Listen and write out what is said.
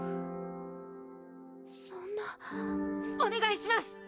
そんなおねがいします！